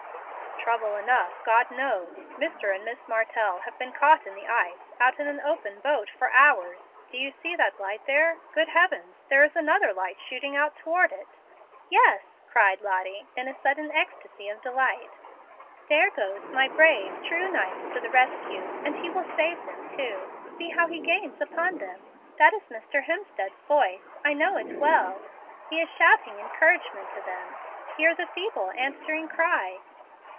"Trouble enough, God knows. Mr. and Miss Martell have been caught in the ice, out in an open boat, for hours. Do you see that light there? Good heavens! there is another light shooting out toward it " "Yes," cried Lottie, in a sudden ecstasy of delight; "there goes my brave, true knight to the rescue, and he will save them, too; see how he gains upon them. That is Mr. Hemstead's voice. I know it well. He is shouting encouragement to them. Hear the feeble answering cry."